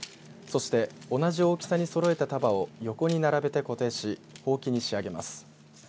そして同じ大きさにそろえた束を横に並べて固定しほうきに仕上げます。